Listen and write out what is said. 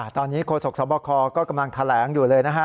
ตอนนี้โฆษกสบคก็กำลังแถลงอยู่เลยนะฮะ